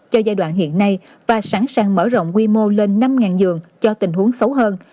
cho giai đoạn hiện nay và sẵn sàng mở rộng quy mô lên năm giường cho tình huống xấu hơn